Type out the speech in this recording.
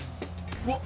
うわっ！？